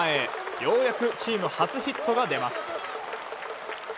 ようやくチーム初ヒットが出ます。